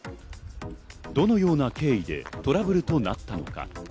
どのような経緯でトラブルとなったのか。